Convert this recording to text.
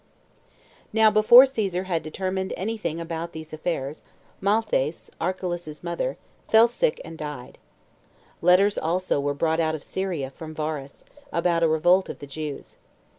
1. Now before Caesar had determined any thing about these affairs, Malthace, Arehelaus's mother, fell sick and died. Letters also were brought out of Syria from Varus, about a revolt of the Jews.